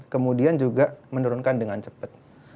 kemudian juga menurunkan dengan cepat